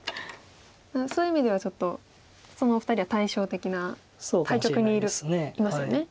そういう意味ではちょっとそのお二人は対照的な対極にいますよね。